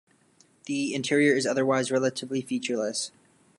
The interior is otherwise relatively featureless.